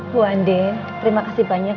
bu andin terima kasih banyak ya